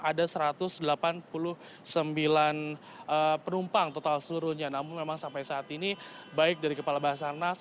ada satu ratus delapan puluh sembilan penumpang total seluruhnya namun memang sampai saat ini baik dari kepala basarnas